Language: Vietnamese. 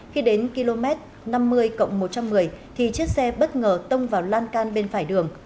khi đến km năm mươi một trăm một mươi thì chiếc xe bất ngờ tông vào lan can bên phải đường